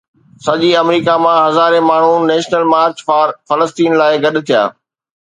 سڄي آمريڪا مان هزارين ماڻهو نيشنل مارچ فار فلسطين لاءِ گڏ ٿيا